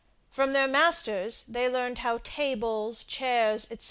From their masters they learned how tables, chairs, etc.